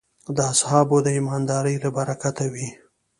د اصحابو د ایماندارۍ له برکته وې.